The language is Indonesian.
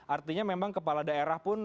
artinya memang kepala daerah pun